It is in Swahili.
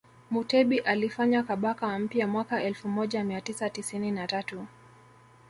Mutebi alifanywa Kabaka mpya mwaka elfu moja mia tisa tisini na tatu